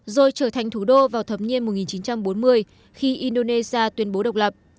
rồi trở thành thủ đô vào thập nhiên một nghìn chín trăm bốn mươi khi indonesia tuyên bố độc lập